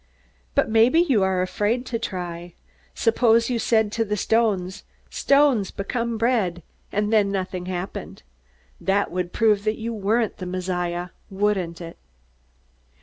"_But maybe you are afraid to try. Suppose you said to the stones, 'Stones, become bread!' and then nothing happened! That would prove that you weren't the Messiah, wouldn't it?